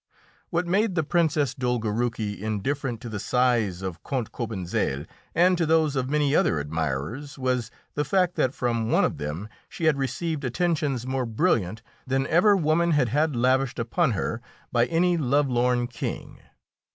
What made the Princess Dolgoruki indifferent to the sighs of Count Cobentzel and to those of many other admirers was the fact that from one of them she had received attentions more brilliant than ever woman had had lavished upon her by any lovelorn king.